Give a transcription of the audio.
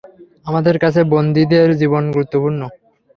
আমাদের কাছে বন্দিদের জীবন গুরুত্বপূর্ণ।